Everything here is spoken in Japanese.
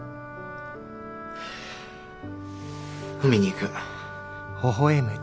海に行く。